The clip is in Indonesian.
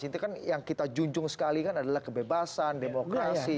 itu kan yang kita junjung sekali kan adalah kebebasan demokrasi